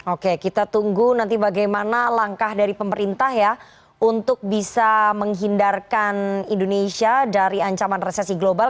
oke kita tunggu nanti bagaimana langkah dari pemerintah ya untuk bisa menghindarkan indonesia dari ancaman resesi global